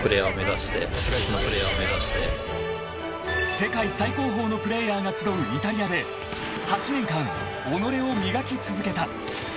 ［世界最高峰のプレーヤーが集うイタリアで８年間己を磨き続けた］